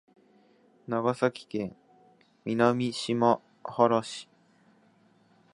長崎県南島原市